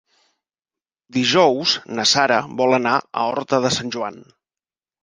Dijous na Sara vol anar a Horta de Sant Joan.